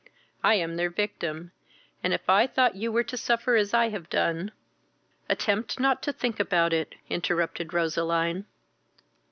I am their victim, and if I thought you were to suffer as I have done " "Attempt not to think about it," interrupted Roseline.